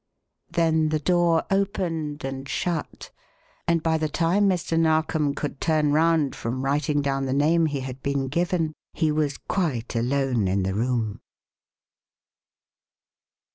Then the door opened and shut, and by the time Mr. Narkom could turn round from writing down the name he had been given, he was quite alone in the room.